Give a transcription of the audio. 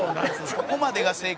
「ここまでが正解」